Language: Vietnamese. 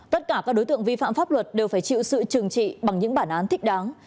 tất cả các đối tượng vi phạm pháp luật đều phải chịu sự trừng trị bằng những bản án thích đáng